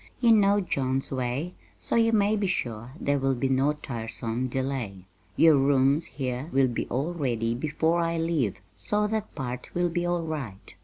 You know John's way, so you may be sure there will be no tiresome delay. Your rooms here will be all ready before I leave, so that part will be all right.